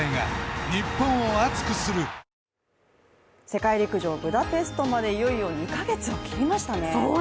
世界陸上ブダペストまでいよいよ２か月を切りましたね。